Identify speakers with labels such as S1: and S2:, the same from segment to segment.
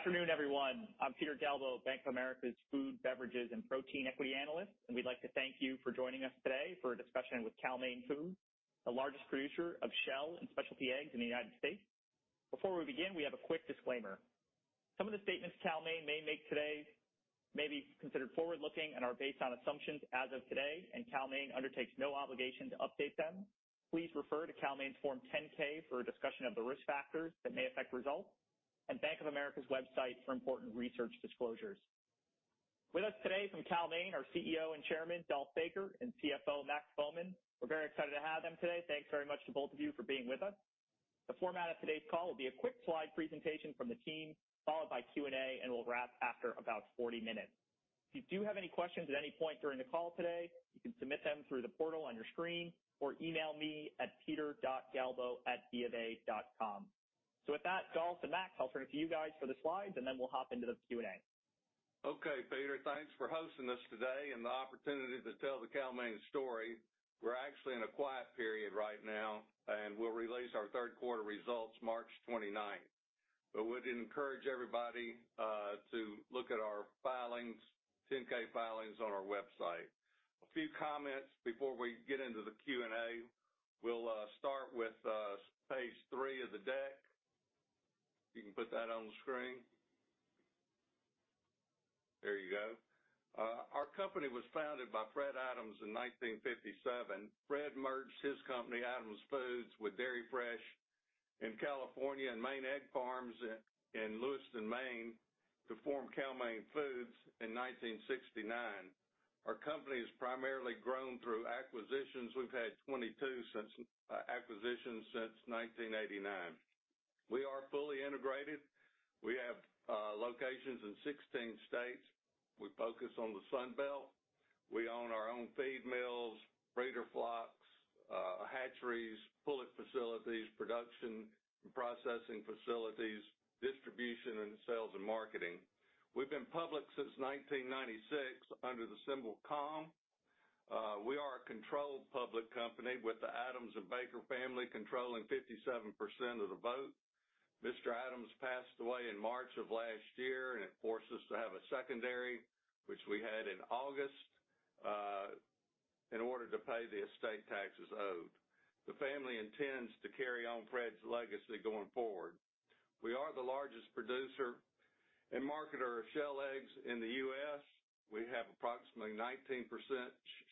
S1: Afternoon, everyone. I'm Peter Galbo, Bank of America's Food, Beverages, and Protein Equity Analyst. We'd like to thank you for joining us today for a discussion with Cal-Maine Foods, the largest producer of shell and specialty eggs in the United States. Before we begin, we have a quick disclaimer. Some of the statements Cal-Maine may make today may be considered forward-looking and are based on assumptions as of today. Cal-Maine undertakes no obligation to update them. Please refer to Cal-Maine's Form 10-K for a discussion of the risk factors that may affect results and Bank of America's website for important research disclosures. With us today from Cal-Maine, our CEO and Chairman, Dolph Baker, and CFO, Max Bowman. We're very excited to have them today. Thanks very much to both of you for being with us. The format of today's call will be a quick slide presentation from the team, followed by Q and A, and we'll wrap after about 40 minutes. If you do have any questions at any point during the call today, you can submit them through the portal on your screen or email me at peter.galbo@bofa.com. With that, Dolph and Max, I'll turn it to you guys for the slides, and then we'll hop into the Q and A.
S2: Okay, Peter, thanks for hosting us today and the opportunity to tell the Cal-Maine story. We're actually in a quiet period right now, and we'll release our third-quarter results March 29th. We'd encourage everybody to look at our 10-K filings on our website. A few comments before we get into the Q and A. We'll start with page three of the deck. You can put that on the screen. There you go. Our company was founded by Fred Adams in 1957. Fred merged his company, Adams Foods, with Dairy Fresh in California and Maine Egg Farms in Lewiston, Maine, to form Cal-Maine Foods in 1969. Our company has primarily grown through acquisitions. We've had 22 acquisitions since 1989. We are fully integrated. We have locations in 16 states. We focus on the Sun Belt. We own our own feed mills, breeder flocks, hatcheries, pullet facilities, production and processing facilities, distribution, and sales and marketing. We've been public since 1996 under the symbol CALM. We are a controlled public company with the Adams and Baker family controlling 57% of the vote. Mr. Adams passed away in March of last year. It forced us to have a secondary, which we had in August, in order to pay the estate taxes owed. The family intends to carry on Fred's legacy going forward. We are the largest producer and marketer of shell eggs in the U.S. We have approximately 19%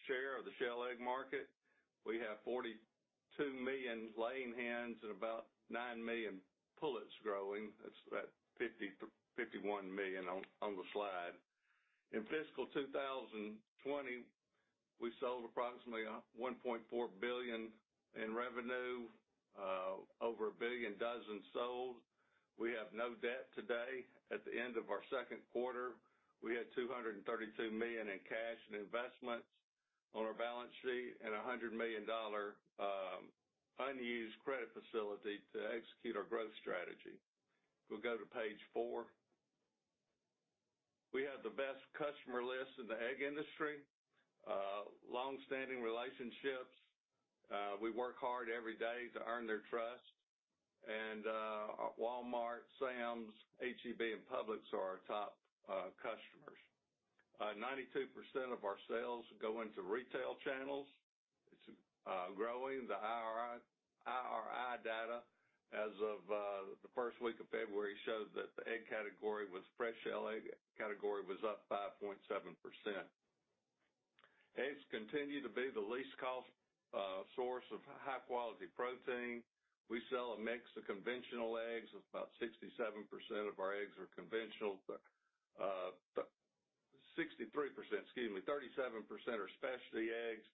S2: share of the shell egg market. We have 42 million laying hens and about nine million pullets growing. That's 51 million on the slide. In fiscal 2020, we sold approximately $1.4 billion in revenue, over a billion dozen sold. We have no debt today. At the end of our second quarter, we had $232 million in cash and investments on our balance sheet and a $100 million unused credit facility to execute our growth strategy. We'll go to page four. We have the best customer lists in the egg industry, longstanding relationships. We work hard every day to earn their trust. Walmart, Sam's, H-E-B, and Publix are our top customers. 92% of our sales go into retail channels. It's growing. The IRI data as of the first week of February shows that the fresh shell egg category was up 5.7%. Eggs continue to be the least cost source of high-quality protein. We sell a mix of conventional eggs. About 67% of our eggs are conventional. 37% are specialty eggs.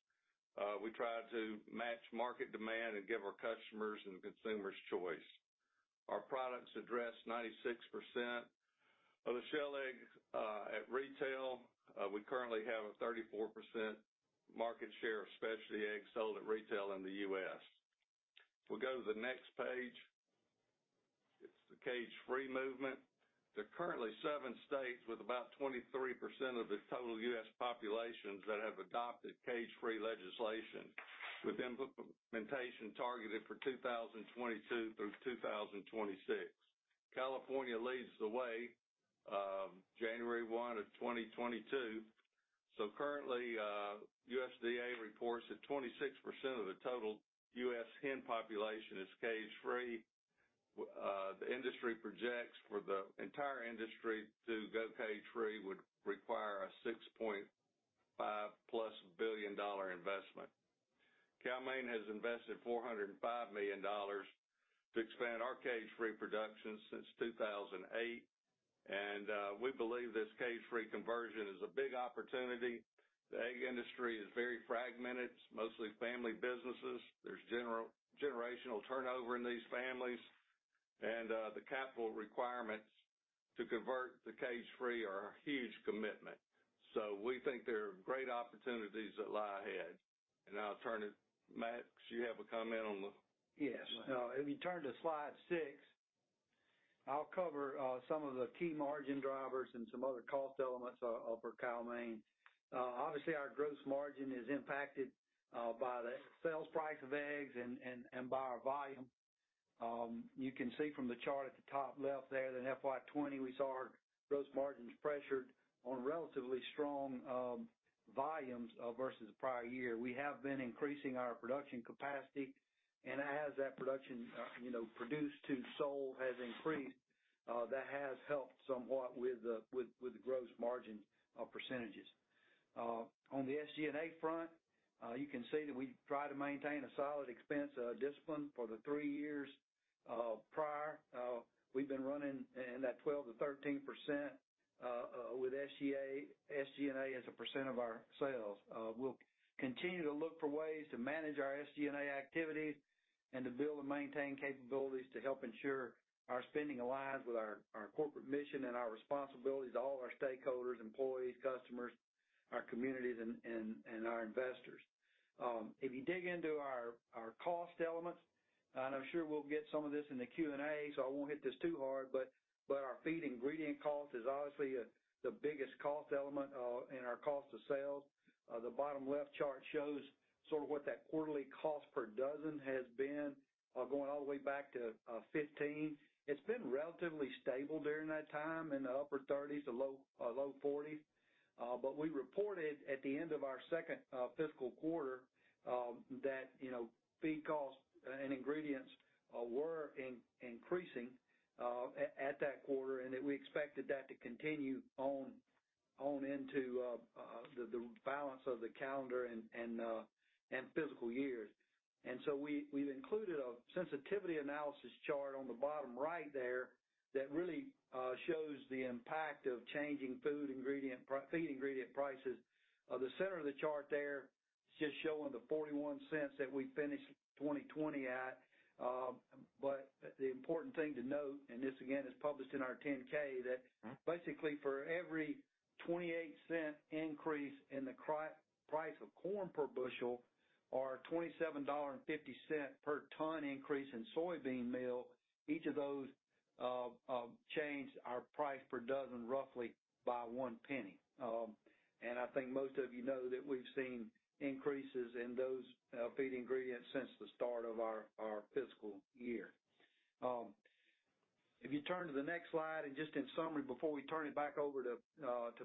S2: We try to match market demand and give our customers and consumers choice. Our products address 96% of the shell eggs at retail. We currently have a 34% market share of specialty eggs sold at retail in the U.S. If we go to the next page, it's the cage-free movement. There are currently seven states with about 23% of the total U.S. populations that have adopted cage-free legislation, with implementation targeted for 2022 through 2026. California leads the way, January 1, 2022. Currently, USDA reports that 26% of the total U.S. hen population is cage-free. The industry projects for the entire industry to go cage-free would require a $6.5+ billion investment. Cal-Maine has invested $405 million to expand our cage-free production since 2008. We believe this cage-free conversion is a big opportunity. The egg industry is very fragmented, it's mostly family businesses. There's generational turnover in these families. The capital requirements to convert to cage-free are a huge commitment. We think there are great opportunities that lie ahead. I'll turn it. Max, you have a comment on?
S3: Yes. If you turn to slide six, I'll cover some of the key margin drivers and some other cost elements for Cal-Maine. Obviously, our gross margin is impacted by the sales price of eggs and by our volume. You can see from the chart at the top left there that in FY 2020 we saw our gross margins pressured on relatively strong volumes versus the prior year. We have been increasing our production capacity and as that production, produced to sold has increased, that has helped somewhat with the gross margin percentages. On the SG&A front, you can see that we try to maintain a solid expense discipline for the three years prior. We've been running in that 12%-13% with SG&A as a % of our sales. We'll continue to look for ways to manage our SG&A activities and to build and maintain capabilities to help ensure our spending aligns with our corporate mission and our responsibilities to all our stakeholders, employees, customers, our communities, and our investors. If you dig into our cost elements, and I'm sure we'll get some of this in the Q&A, so I won't hit this too hard, but our feed ingredient cost is obviously the biggest cost element in our cost of sales. The bottom left chart shows sort of what that quarterly cost per dozen has been going all the way back to 2015. It's been relatively stable during that time in the upper 30s to low 40s. We reported at the end of our second fiscal quarter that feed costs and ingredients were increasing at that quarter and that we expected that to continue on into the balance of the calendar and fiscal years. We've included a sensitivity analysis chart on the bottom right there that really shows the impact of changing feed ingredient prices. The center of the chart there is just showing the $0.41 that we finished 2020 at. The important thing to note, and this again is published in our 10-K, that basically for every $0.28 increase in the price of corn per bushel or $27.50 per ton increase in soybean meal, each of those changed our price per dozen roughly by $0.01. I think most of you know that we've seen increases in those feed ingredients since the start of our fiscal year. If you turn to the next slide and just in summary before we turn it back over to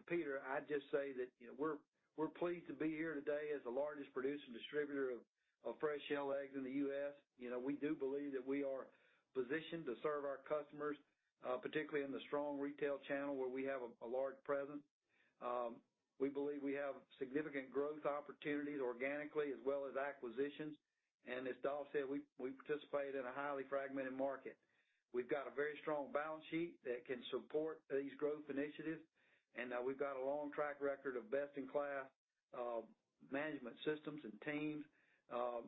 S3: Peter, I'd just say that we're pleased to be here today as the largest producer and distributor of fresh shell eggs in the U.S. We do believe that we are positioned to serve our customers, particularly in the strong retail channel where we have a large presence. We believe we have significant growth opportunities organically as well as acquisitions. As Dolph said, we participate in a highly fragmented market. We've got a very strong balance sheet that can support these growth initiatives, and we've got a long track record of best-in-class management systems and teams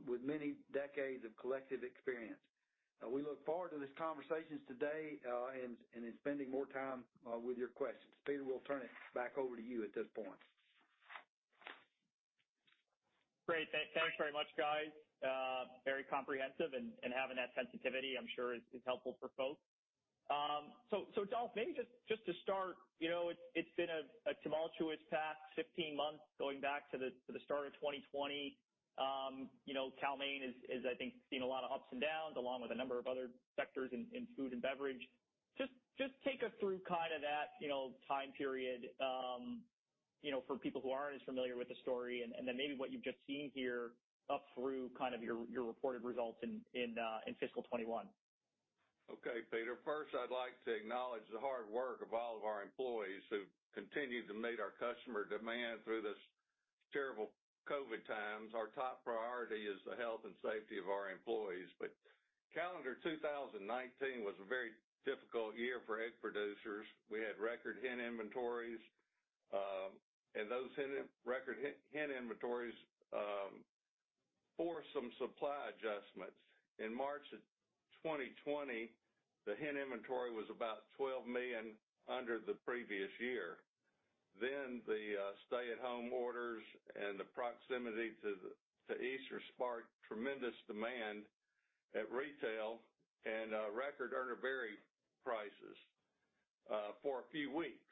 S3: with many decades of collective experience. We look forward to these conversations today and in spending more time with your questions. Peter, we'll turn it back over to you at this point.
S1: Great. Thanks very much, guys. Very comprehensive and having that sensitivity I'm sure is helpful for folks. Dolph, maybe just to start, it's been a tumultuous past 15 months going back to the start of 2020. Cal-Maine is, I think, seeing a lot of ups and downs along with a number of other sectors in food and beverage. Just take us through that time period for people who aren't as familiar with the story, and then maybe what you've just seen here up through your reported results in fiscal 2021.
S2: Okay, Peter. First, I'd like to acknowledge the hard work of all of our employees who've continued to meet our customer demand through this terrible COVID times. Our top priority is the health and safety of our employees. Calendar 2019 was a very difficult year for egg producers. We had record hen inventories, and those record hen inventories forced some supply adjustments. In March of 2020, the hen inventory was about 12 million under the previous year. The stay-at-home orders and the proximity to Easter sparked tremendous demand at retail and record Urner Barry prices for a few weeks.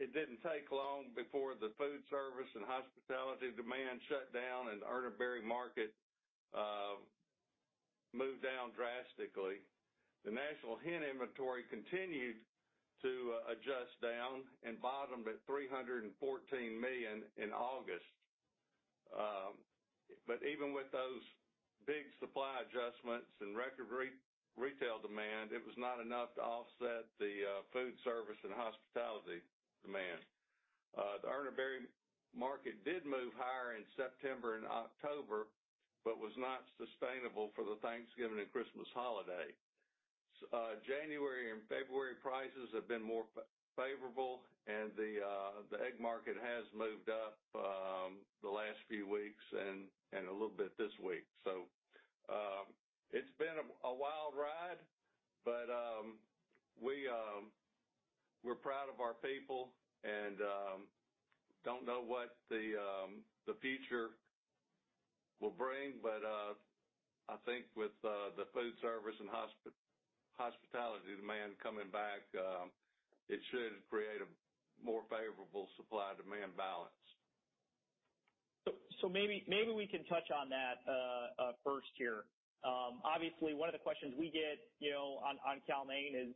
S2: It didn't take long before the food service and hospitality demand shut down and Urner Barry market moved down drastically. The national hen inventory continued to adjust down and bottomed at 314 million in August. Even with those big supply adjustments and record retail demand, it was not enough to offset the food service and hospitality demand. The Urner Barry market did move higher in September and October, but was not sustainable for the Thanksgiving and Christmas holiday. January and February prices have been more favorable and the egg market has moved up the last few weeks and a little bit this week. It's been a wild ride, but we're proud of our people and don't know what the future will bring, but I think with the food service and hospitality demand coming back it should create a more favorable supply-demand balance.
S1: Maybe we can touch on that first here. Obviously, one of the questions we get on Cal-Maine is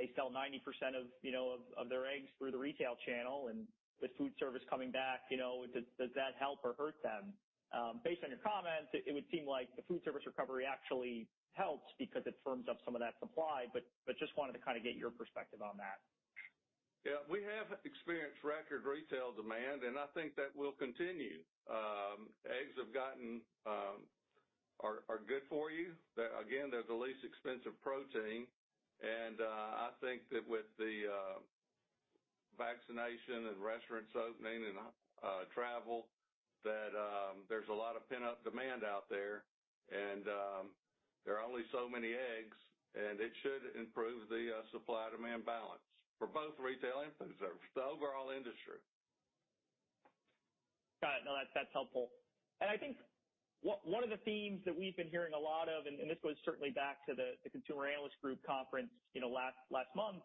S1: they sell 90% of their eggs through the retail channel and with food service coming back, does that help or hurt them? Based on your comments, it would seem like the food service recovery actually helps because it firms up some of that supply. Just wanted to get your perspective on that.
S2: Yeah. We have experienced record retail demand, and I think that will continue. Eggs are good for you. Again, they're the least expensive protein, and I think that with the vaccination and restaurants opening and travel, that there's a lot of pent-up demand out there, and there are only so many eggs, and it should improve the supply-demand balance for both retail and food service, the overall industry.
S1: Got it. No, that's helpful. I think one of the themes that we've been hearing a lot of, and this goes certainly back to the Consumer Analyst Group conference last month,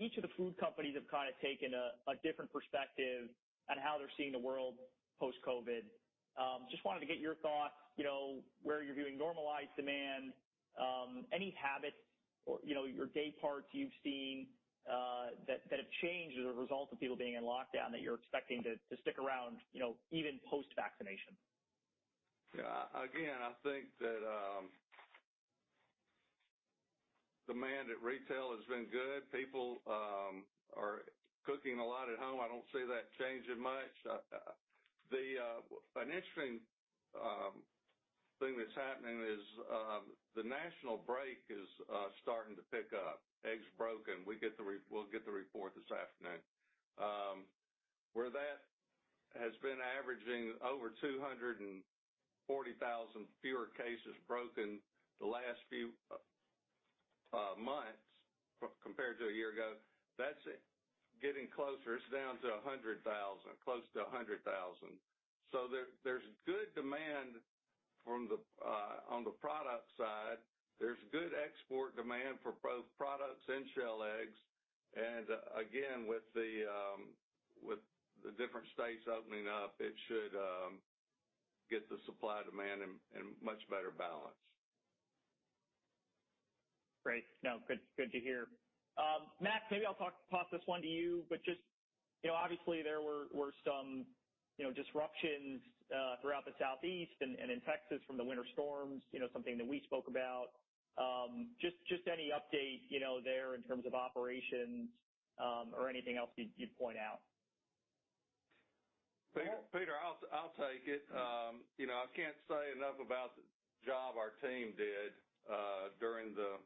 S1: each of the food companies have kind of taken a different perspective on how they're seeing the world post-COVID. Just wanted to get your thoughts, where you're viewing normalized demand, any habits or your day parts you've seen that have changed as a result of people being in lockdown that you're expecting to stick around even post-vaccination.
S2: Yeah. Again, I think that demand at retail has been good. People are cooking a lot at home. I don't see that changing much. An interesting thing that's happening is the national break is starting to pick up. Eggs broken. We'll get the report this afternoon. Where that has been averaging over 240,000 fewer cases broken the last few months compared to a year ago, that's getting closer. It's down to 100,000, close to 100,000. There's good demand on the product side. There's good export demand for both products and shell eggs. Again, with the different states opening up, it should get the supply-demand in much better balance.
S1: Great. No, good to hear. Max, maybe I'll toss this one to you, but just obviously there were some disruptions throughout the Southeast and in Texas from the winter storms, something that we spoke about. Just any update there in terms of operations, or anything else you'd point out.
S2: Peter, I'll take it. I can't say enough about the job our team did during the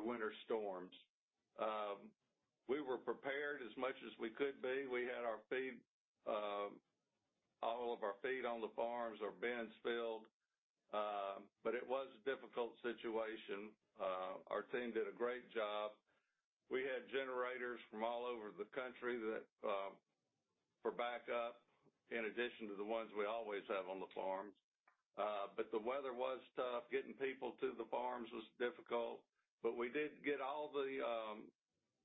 S2: winter storms. We were prepared as much as we could be. We had all of our feed on the farms, our bins filled. It was a difficult situation. Our team did a great job. We had generators from all over the country for backup, in addition to the ones we always have on the farms. The weather was tough. Getting people to the farms was difficult. We did get all the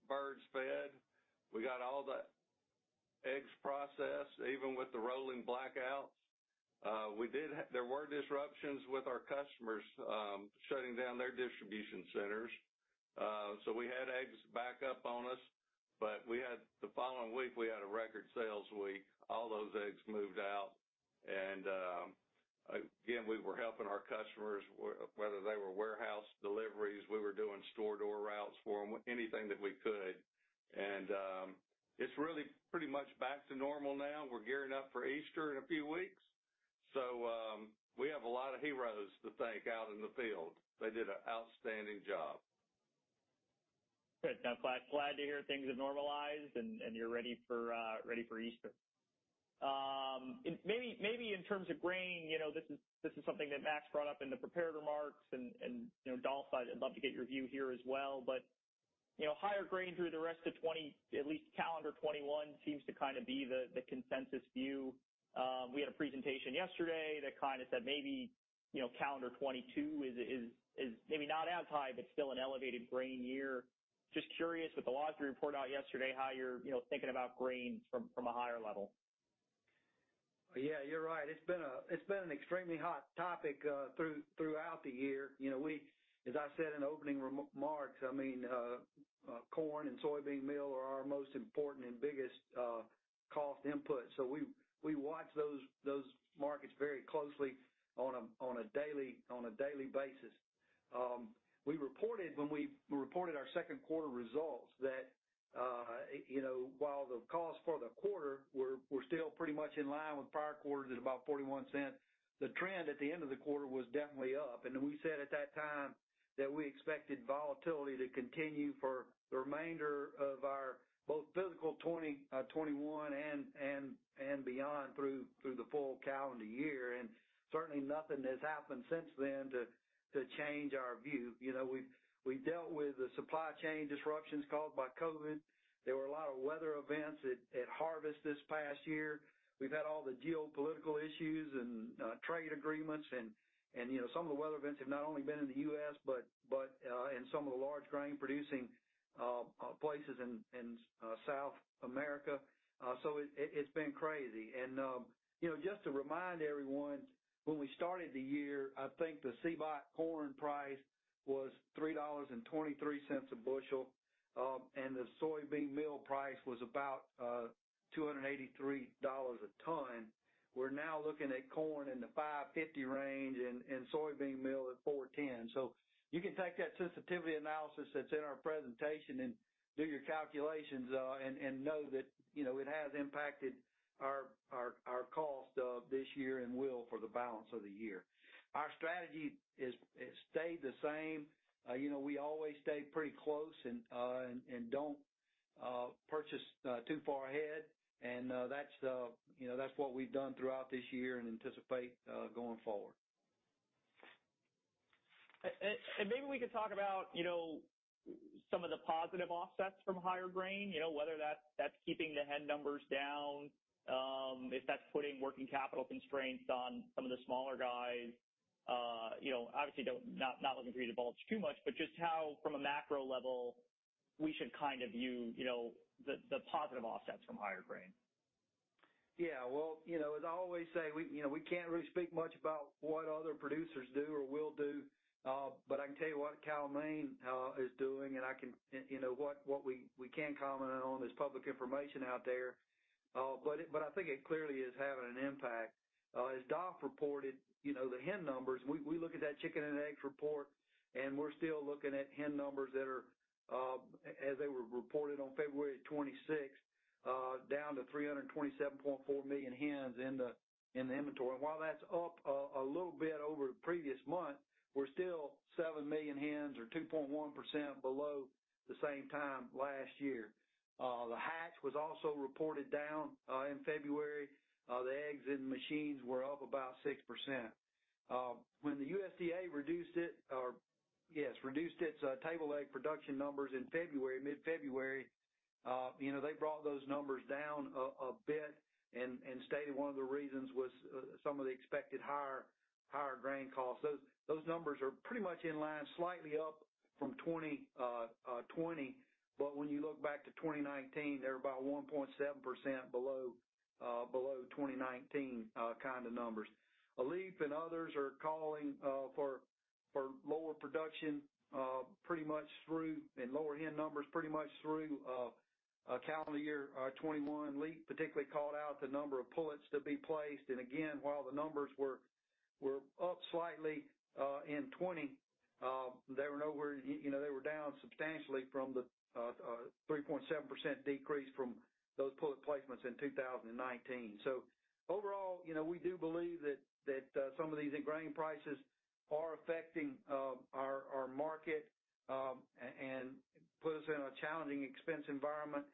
S2: birds fed. We got all the eggs processed, even with the rolling blackouts. There were disruptions with our customers shutting down their distribution centers. We had eggs back up on us, but the following week, we had a record sales week. All those eggs moved out, and again, we were helping our customers, whether they were warehouse deliveries, we were doing store door routes for them, anything that we could. It's really pretty much back to normal now. We're gearing up for Easter in a few weeks. We have a lot of heroes to thank out in the field. They did an outstanding job.
S1: Good. No, glad to hear things have normalized, and you're ready for Easter. Maybe in terms of grain, this is something that Max brought up in the prepared remarks, and Dolph, I'd love to get your view here as well, but higher grain through the rest of at least calendar 2021 seems to be the consensus view. We had a presentation yesterday that kind of said maybe calendar 2022 is maybe not as high, but still an elevated grain year. Just curious with the 10-Ks we reported out yesterday how you're thinking about grains from a higher level.
S3: Yeah, you're right. It's been an extremely hot topic throughout the year. As I said in opening remarks, corn and soybean meal are our most important and biggest cost input. We watch those markets very closely on a daily basis. When we reported our second quarter results that while the cost for the quarter were still pretty much in line with prior quarters at about $0.41, the trend at the end of the quarter was definitely up. We said at that time that we expected volatility to continue for the remainder of our both fiscal 2021 and beyond through the full calendar year. Certainly nothing has happened since then to change our view. We've dealt with the supply chain disruptions caused by COVID. There were a lot of weather events at harvest this past year. We've had all the geopolitical issues and trade agreements and some of the weather events have not only been in the U.S., but in some of the large grain-producing places in South America. It's been crazy. Just to remind everyone, when we started the year, I think the CBOT corn price was $3.23 a bushel, and the soybean meal price was about $283 a ton. We're now looking at corn in the $5.50 range and soybean meal at $4.10. You can take that sensitivity analysis that's in our presentation and do your calculations and know that it has impacted our cost this year and will for the balance of the year. Our strategy has stayed the same. We always stay pretty close and don't purchase too far ahead. That's what we've done throughout this year and anticipate going forward.
S1: Maybe we could talk about some of the positive offsets from higher grain, whether that's keeping the hen numbers down, if that's putting working capital constraints on some of the smaller guys. Obviously, not looking for you to divulge too much, but just how, from a macro level, we should view the positive offsets from higher grain.
S3: Yeah. Well, as I always say, we can't really speak much about what other producers do or will do, but I can tell you what Cal-Maine is doing, and what we can comment on is public information out there. I think it clearly is having an impact. As Dolph reported the hen numbers, we look at that chicken and eggs report, and we're still looking at hen numbers that are, as they were reported on February 26th, down to 327.4 million hens in the inventory. While that's up a little bit over the previous month, we're still 7 million hens or 2.1% below the same time last year. The hatch was also reported down in February. The eggs in machines were up about 6%. When the USDA reduced its table egg production numbers in mid-February, they brought those numbers down a bit and stated one of the reasons was some of the expected higher grain costs. Those numbers are pretty much in line, slightly up from 2020. When you look back to 2019, they're about 1.7% below 2019 kind of numbers. LEP and others are calling for lower production and lower hen numbers pretty much through calendar year 2021. LEP particularly called out the number of pullets to be placed. Again, while the numbers were up slightly in 2020, they were down substantially from the 3.7% decrease from those pullet placements in 2019. Overall, we do believe that some of these grain prices are affecting our market and put us in a challenging expense environment.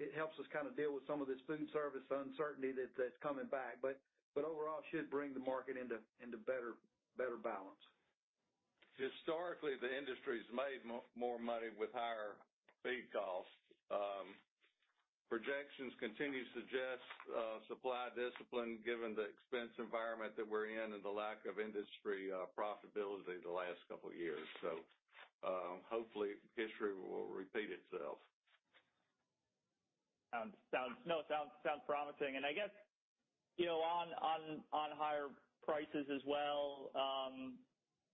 S3: It helps us deal with some of this food service uncertainty that's coming back. Overall, should bring the market into better balance.
S2: Historically, the industry's made more money with higher feed costs. Projections continue to suggest supply discipline given the expense environment that we're in and the lack of industry profitability the last couple of years. Hopefully history will repeat itself.
S1: No, sounds promising. I guess on higher prices as well,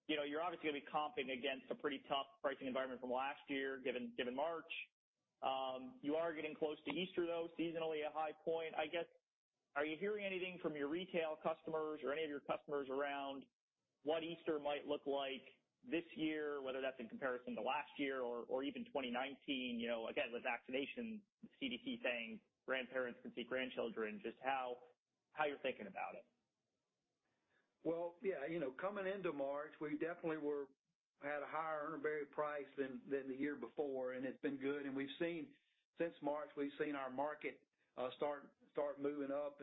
S1: you're obviously going to be comping against a pretty tough pricing environment from last year given March. You are getting close to Easter, though, seasonally a high point, I guess. Are you hearing anything from your retail customers or any of your customers around what Easter might look like this year, whether that's in comparison to last year or even 2019? With vaccination, CDC saying grandparents can see grandchildren, just how you're thinking about it.
S3: Well, yeah. Coming into March, we definitely had a higher variable price than the year before, and it's been good. Since March, we've seen our market start moving up,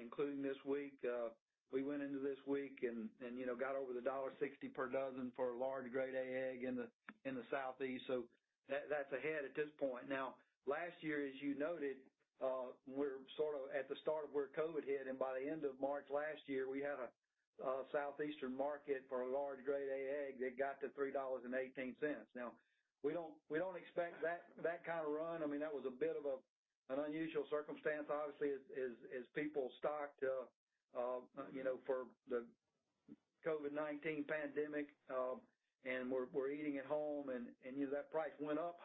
S3: including this week. We went into this week and got over the $1.60 per dozen for a large grade A egg in the Southeast. That's ahead at this point. Now, last year, as you noted, we're sort of at the start of where COVID hit, and by the end of March last year, we had a Southeastern market for a large grade A egg that got to $3.18. Now, we don't expect that kind of run. That was a bit of an unusual circumstance, obviously, as people stocked for the COVID-19 pandemic and were eating at home, that price went up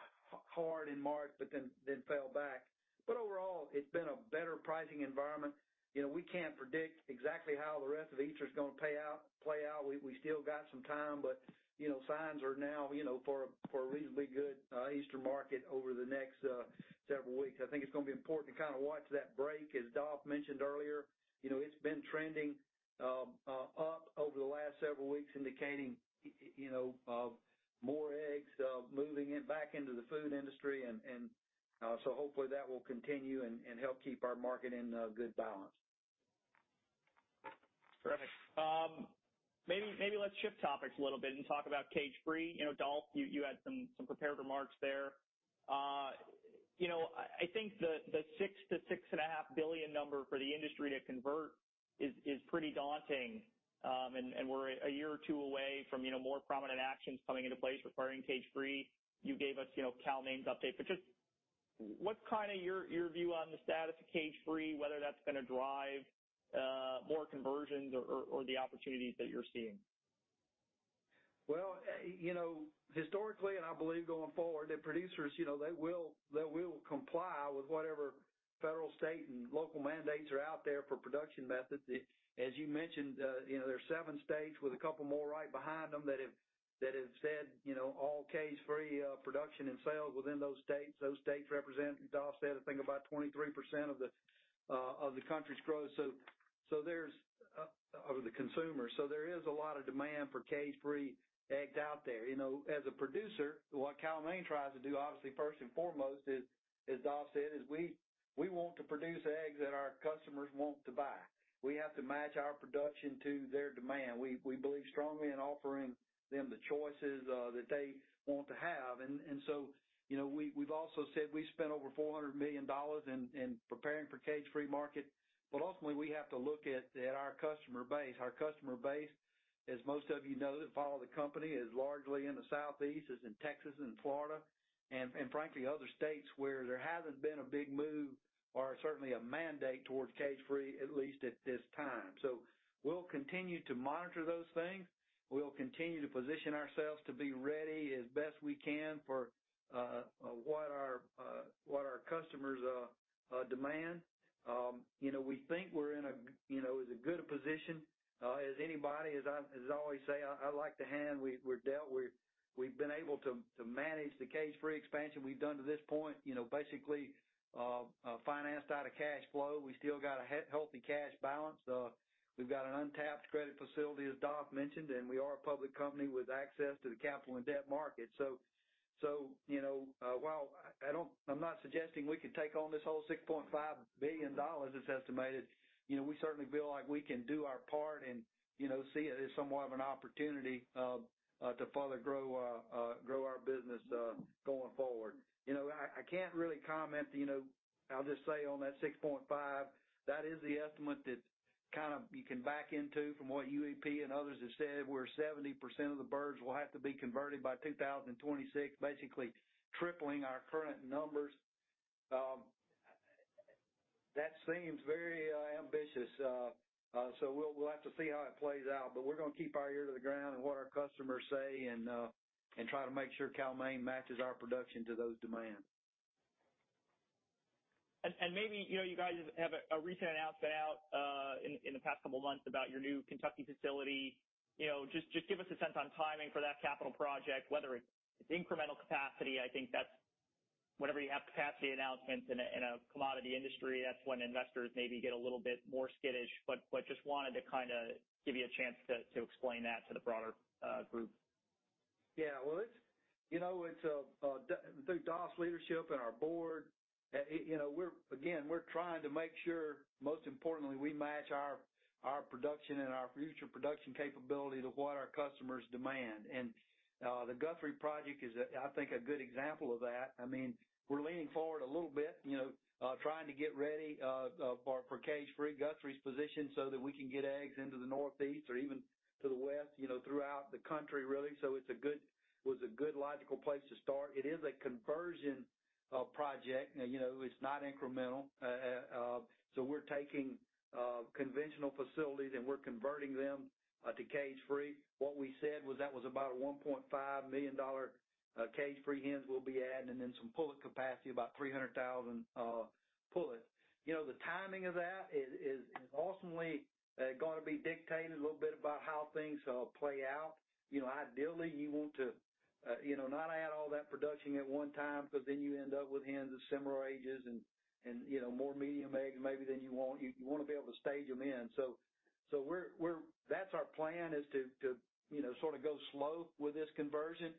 S3: hard in March but then fell back. Overall, it's been a better pricing environment. We can't predict exactly how the rest of Easter is going to play out. We still got some time, Signs are now for a reasonably good Easter market over the next several weeks. I think it's going to be important to kind of watch that break. As Dolph mentioned earlier, it's been trending up over the last several weeks, indicating more eggs moving back into the food industry. Hopefully that will continue and help keep our market in good balance.
S1: Perfect. Maybe let's shift topics a little bit and talk about cage-free. Dolph, you had some prepared remarks there. I think the $6 billion-$6.5 billion number for the industry to convert is pretty daunting. We're a year or two away from more prominent actions coming into place requiring cage-free. You gave us Cal-Maine's update, just what's your view on the status of cage-free, whether that's going to drive more conversions or the opportunities that you're seeing?
S3: Well, historically, and I believe going forward, that producers will comply with whatever federal, state, and local mandates are out there for production methods. As you mentioned, there are seven states with a couple more right behind them that have said all cage-free production and sales within those states. Those states represent, Dolph said, I think about 23% of the country's growth of the consumer. There is a lot of demand for cage-free eggs out there. As a producer, what Cal-Maine tries to do, obviously, first and foremost is, as Dolph said, is we want to produce eggs that our customers want to buy. We have to match our production to their demand. We believe strongly in offering them the choices that they want to have. We've also said we spent over $400 million in preparing for cage-free market. Ultimately, we have to look at our customer base. Our customer base, as most of you know that follow the company, is largely in the Southeast, is in Texas and Florida. Frankly, other states where there hasn't been a big move or certainly a mandate towards cage-free, at least at this time. We'll continue to monitor those things. We'll continue to position ourselves to be ready as best we can for what our customers demand. We think we're in as good a position as anybody. As I always say, I like the hand we're dealt. We've been able to manage the cage-free expansion we've done to this point, basically financed out of cash flow. We've still got a healthy cash balance. We've got an untapped credit facility, as Dolph mentioned. We are a public company with access to the capital and debt market. While I'm not suggesting we could take on this whole $6.5 billion that's estimated. We certainly feel like we can do our part and see it as somewhat of an opportunity to further grow our business going forward. I can't really comment, I'll just say on that $6.5, that is the estimate that you can back into from what UEP and others have said, where 70% of the birds will have to be converted by 2026, basically tripling our current numbers. That seems very ambitious. We'll have to see how it plays out, but we're going to keep our ear to the ground and what our customers say and try to make sure Cal-Maine matches our production to those demands.
S1: Maybe, you guys have a recent announcement out in the past couple of months about your new Kentucky facility. Just give us a sense on timing for that capital project, whether it's incremental capacity. I think whenever you have capacity announcements in a commodity industry, that's when investors maybe get a little bit more skittish. Just wanted to give you a chance to explain that to the broader group.
S3: Well, through Dolph's leadership and our board, we're trying to make sure, most importantly, we match our production and our future production capability to what our customers demand. The Guthrie project is, I think, a good example of that. We're leaning forward a little bit, trying to get ready for cage-free. Guthrie's positioned so that we can get eggs into the Northeast or even to the West, throughout the country, really. It's a good, logical place to start. It is a conversion project. It's not incremental. We're taking conventional facilities, and we're converting them to cage-free. What we said was that was about 1.5 million cage-free hens we'll be adding and then some pullet capacity, about 300,000 pullets. The timing of that is ultimately going to be dictated a little bit about how things play out. Ideally, you want to not add all that production at one time because then you end up with hens of similar ages and more medium eggs maybe than you want. You want to be able to stage them in. That's our plan is to sort of go slow with this conversion.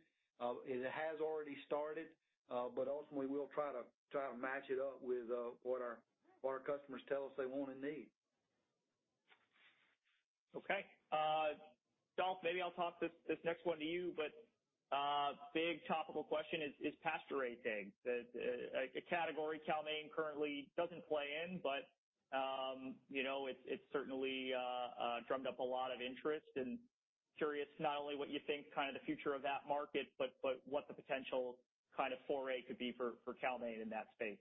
S3: It has already started. Ultimately, we'll try to match it up with what our customers tell us they want and need.
S1: Okay. Dolph, maybe I'll toss this next one to you, but big topical question is pasture-raised eggs. A category Cal-Maine currently doesn't play in, but it's certainly drummed up a lot of interest and curious not only what you think the future of that market, but what the potential foray could be for Cal-Maine in that space.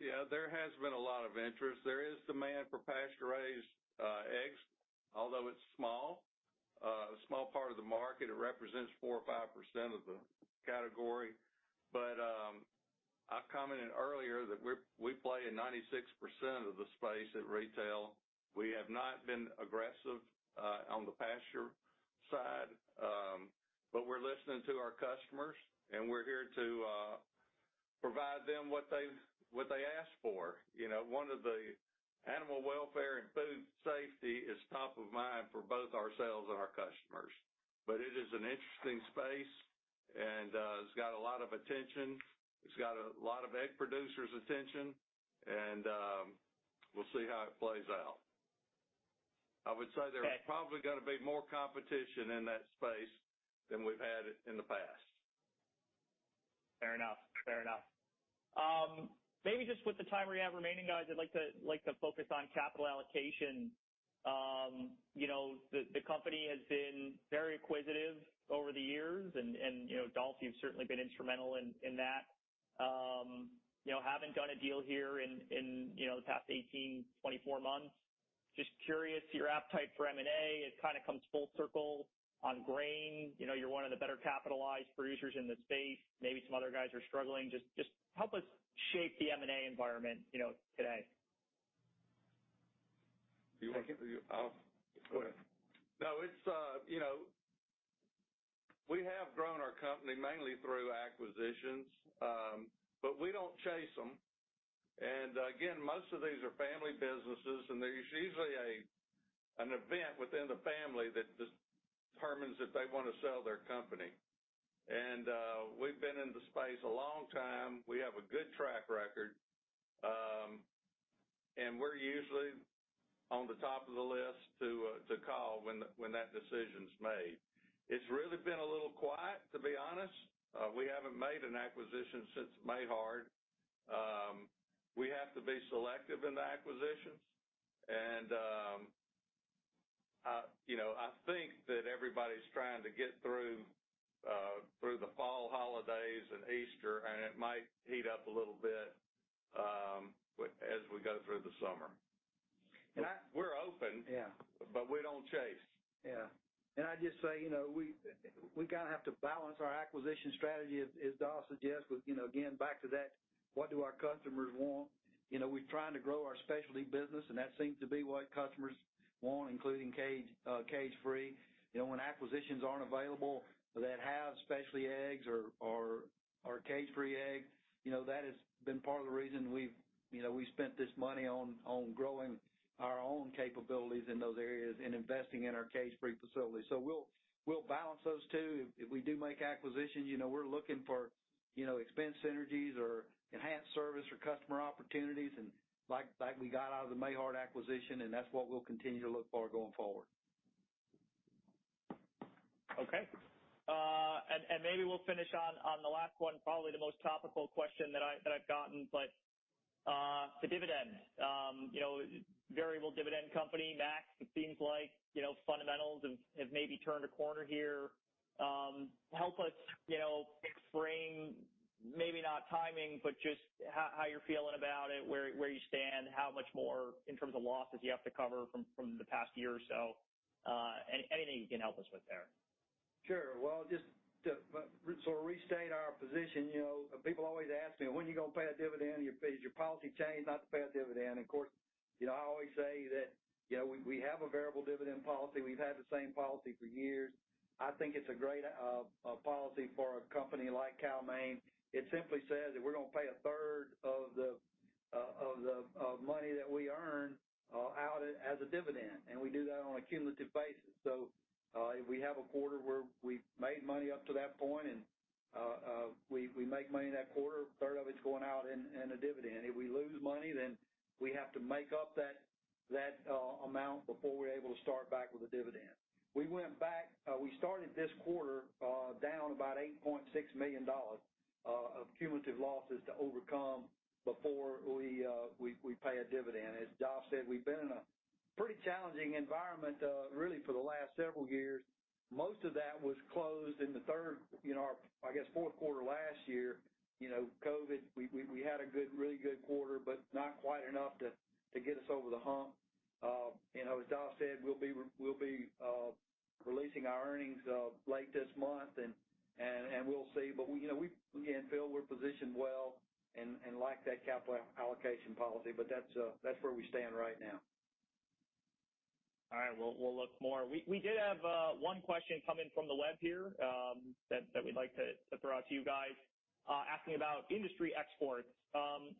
S2: Yeah, there has been a lot of interest. There is demand for pasture-raised eggs, although it's small. A small part of the market. It represents 4% or 5% of the category. I commented earlier that we play in 96% of the space at retail. We have not been aggressive on the pasture side, but we're listening to our customers, and we're here to provide them what they ask for. Animal welfare and food safety is top of mind for both ourselves and our customers. It is an interesting space and has got a lot of attention. It's got a lot of egg producers' attention, and we'll see how it plays out. I would say there's probably going to be more competition in that space than we've had in the past.
S1: Fair enough. Maybe just with the time we have remaining, guys, I'd like to focus on capital allocation. The company has been very acquisitive over the years and Dolph, you've certainly been instrumental in that. Haven't done a deal here in the past 18, 24 months. Just curious, your appetite for M&A, it kind of comes full circle on grain. You're one of the better capitalized producers in the space. Maybe some other guys are struggling. Just help us shape the M&A environment today.
S2: Do you want to? I'll-
S3: Go ahead.
S2: No, we have grown our company mainly through acquisitions. We don't chase them. Again, most of these are family businesses, and there's usually an event within the family that determines if they want to sell their company. We've been in the space a long time. We have a good track record. We're usually on the top of the list to call when that decision's made. It's really been a little quiet, to be honest. We haven't made an acquisition since Mahard. We have to be selective in the acquisitions. I think that everybody's trying to get through the fall holidays and Easter, and it might heat up a little bit as we go through the summer. We're open.
S3: Yeah.
S2: We don't chase.
S3: Yeah, I'd just say, we kind of have to balance our acquisition strategy, as Dolph suggests with, again, back to that, what do our customers want? We're trying to grow our specialty business, and that seems to be what customers want, including cage-free. When acquisitions aren't available that have specialty eggs or cage-free eggs, that has been part of the reason we've spent this money on growing our own capabilities in those areas and investing in our cage-free facilities. We'll balance those two. If we do make acquisitions, we're looking for expense synergies or enhanced service or customer opportunities and like we got out of the Mahard acquisition and that's what we'll continue to look for going forward.
S1: Okay. Maybe we'll finish on the last one, probably the most topical question that I've gotten, but the dividends. Variable dividend company, Max, it seems like fundamentals have maybe turned a corner here. Help us explain, maybe not timing, but just how you're feeling about it, where you stand, how much more in terms of losses you have to cover from the past year or so. Anything you can help us with there.
S3: Sure. Well, just to sort of restate our position, people always ask me, "When are you going to pay a dividend? Is your policy changed not to pay a dividend?" Of course, I always say that we have a variable dividend policy. We've had the same policy for years. I think it's a great policy for a company like Cal-Maine. It simply says that we're going to pay a third of the money that we earn out as a dividend, and we do that on a cumulative basis. If we have a quarter where we've made money up to that point and we make money in that quarter, a third of it's going out in a dividend. If we lose money, then we have to make up that amount before we're able to start back with a dividend. We started this quarter down about $8.6 million of cumulative losses to overcome before we pay a dividend. As Dolph said, we've been in a pretty challenging environment really for the last several years. Most of that was closed in the third, I guess fourth quarter last year, COVID. We had a really good quarter, but not quite enough to get us over the hump. As Dolph said, we'll be releasing our earnings late this month, and we'll see. Again, Peter, we're positioned well and like that capital allocation policy, but that's where we stand right now.
S1: All right. We'll look more. We did have one question come in from the web here that we'd like to throw out to you guys, asking about industry exports.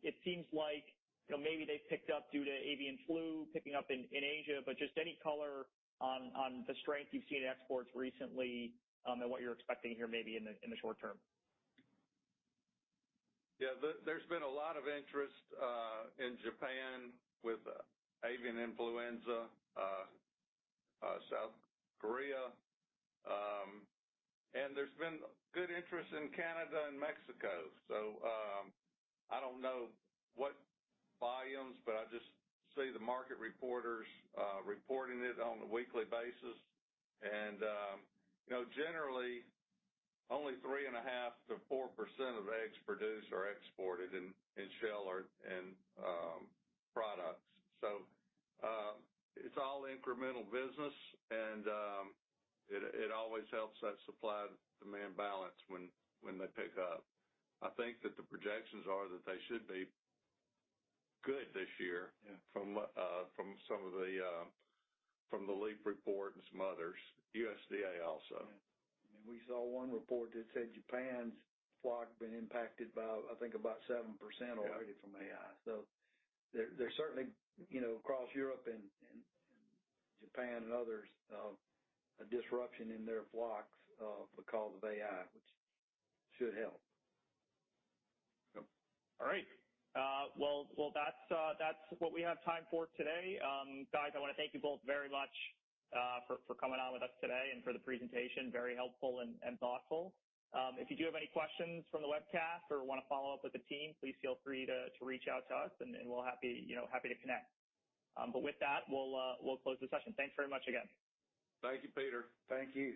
S1: It seems like maybe they've picked up due to avian flu picking up in Asia, but just any color on the strength you've seen in exports recently and what you're expecting here maybe in the short term.
S2: Yeah. There's been a lot of interest in Japan with avian influenza, South Korea, and there's been good interest in Canada and Mexico. I don't know what volumes, but I just see the market reporters reporting it on a weekly basis. Generally, only 3.5%-4% of eggs produced are exported in shell and products. It's all incremental business and it always helps that supply-demand balance when they pick up. I think that the projections are that they should be good this year.
S3: Yeah.
S2: From the LEP report and some others, USDA also.
S3: We saw one report that said Japan's flock been impacted by, I think about 7% already from AI. There's certainly across Europe and Japan and others, a disruption in their flocks because of AI, which should help.
S1: All right. Well, that's what we have time for today. Guys, I want to thank you both very much for coming on with us today and for the presentation. Very helpful and thoughtful. If you do have any questions from the webcast or want to follow up with the team, please feel free to reach out to us and we'll happy to connect. With that, we'll close the session. Thanks very much again.
S2: Thank you, Peter.
S3: Thank you.